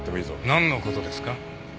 なんの事ですか？